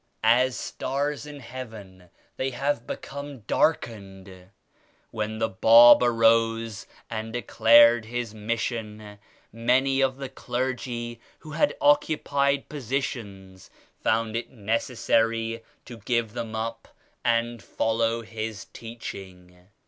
As stars in heaven they have become darkened. When the Bab arose and declared His Mission, many of the clergy 28 who had occupied positions found it necessary to give them up and follow His Teaching."